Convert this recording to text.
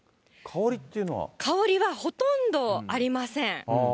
香りはほとんどありません。